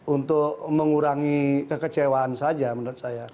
untuk mengurangi kekecewaan saja menurut saya